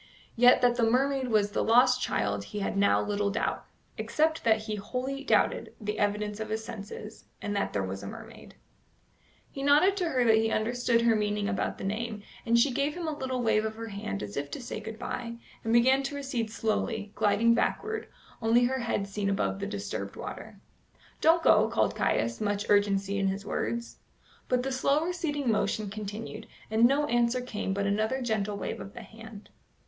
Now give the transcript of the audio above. Yet that the mermaid was the lost child he had now little doubt, except that he wholly doubted the evidence of his senses, and that there was a mermaid. He nodded to her that he understood her meaning about the name, and she gave him a little wave of her hand as if to say good bye, and began to recede slowly, gliding backward, only her head seen above the disturbed water. "Don't go," called Caius, much urgency in his words. But the slow receding motion continued, and no answer came but another gentle wave of the hand.